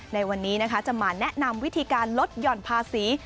ในวันนี้นะคะจะมาแนะนำวิธีการลดหย่อนภาษี